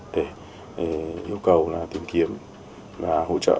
để yêu cầu là tìm kiếm và hỗ trợ